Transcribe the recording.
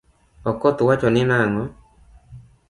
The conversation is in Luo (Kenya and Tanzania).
Okoth wachoni nango?